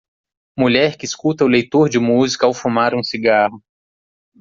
Mulher que escuta o leitor de música ao fumar um cigarro.